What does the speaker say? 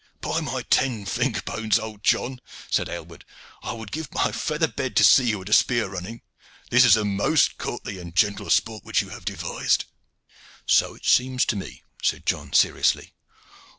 "By my ten finger bones! old John," said Aylward, "I would give my feather bed to see you at a spear running. This is a most courtly and gentle sport which you have devised." "So it seems to me," said John seriously.